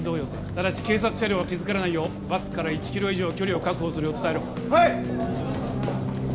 ただし警察車両は気づかれないようバスから１キロ以上距離を確保するよう伝えろはい！